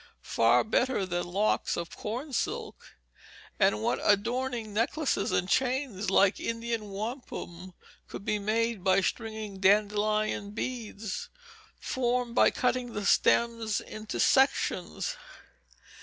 far better than locks of corn silk. And what adorning necklaces and chains like Indian wampum could be made by stringing "dandelion beads," formed by cutting the stems into sections!